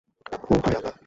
ওহ হাই আল্লাহ!